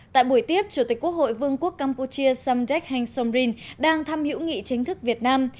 tại buổi tiếp chủ tịch quốc hội vương quốc campuchia samdek heng somrin đang thăm hữu nghị chính thức việt nam